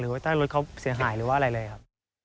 ว่าใต้รถเขาเสียหายหรือว่าอะไรเลยครับ